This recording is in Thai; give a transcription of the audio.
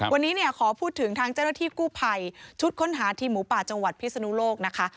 วันนี้เนี่ยขอพูดถึงทางเจ้าหน้าที่กู้ภัยชุดค้นหาทีมหมูป่าจังหวัดพิศนุโลกนะคะ